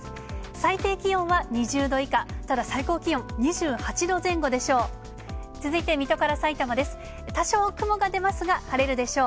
最低気温は２０度以下、ただ最高気温２８度前後でしょう。